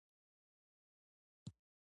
قناعت کول څه دي؟